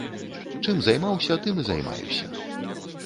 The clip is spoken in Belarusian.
Чым займаўся, тым і займаюся.